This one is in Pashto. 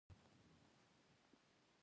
شپه مي لېموکې زنګوله ، زمانه تیره ده